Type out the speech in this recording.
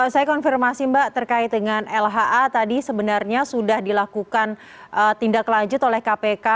saya konfirmasi mbak terkait dengan lha tadi sebenarnya sudah dilakukan tindak lanjut oleh kpk